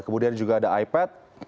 kemudian juga ada ipad